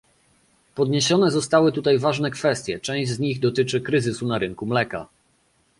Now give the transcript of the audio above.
Podniesione zostały tutaj ważne kwestie, część z nich dotyczy kryzysu na rynku mleka